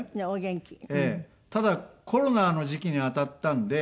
ただコロナの時期に当たったんで。